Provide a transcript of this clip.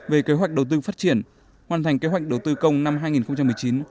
về kế hoạch đầu tư phát triển hoàn thành kế hoạch đầu tư công năm hai nghìn một mươi chín